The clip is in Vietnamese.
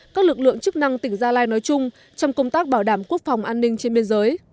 các lực lượng chức năng tỉnh gia lai nói chung trong công tác bảo đảm quốc phòng an ninh trên biên giới